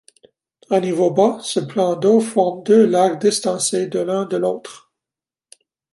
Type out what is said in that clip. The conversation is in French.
À niveau bas, ce plan d’eau forme deux lacs distancés de l’un de l’autre.